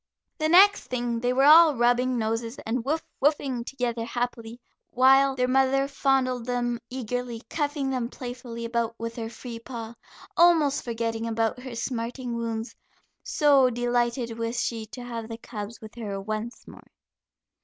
The next thing they were all rubbing noses and "woof, woofing" together happily, while their mother fondled them eagerly, cuffing them playfully about with her free paw, almost forgetting about her smarting wounds, so delighted was she to have the cubs with her once more.